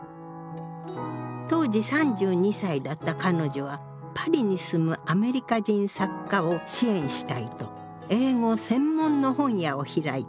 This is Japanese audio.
当時３２歳だった彼女はパリに住むアメリカ人作家を支援したいと英語専門の本屋を開いたの。